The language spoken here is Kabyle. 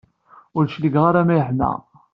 Ur d-cligeɣ ara ma yeḥma.